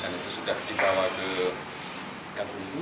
dan itu sudah dibawa ke gatunggu